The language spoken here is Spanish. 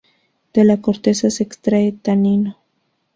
De la corteza se extrae tanino.